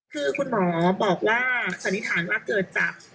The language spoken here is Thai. คือคุณหมอบอกว่าสันนิษฐานว่าเกิดจาก